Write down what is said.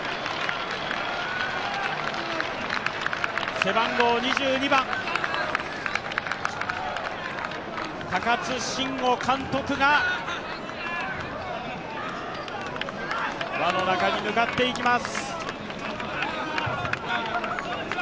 背番号２２番、高津臣吾監督が輪の中に向かっていきます。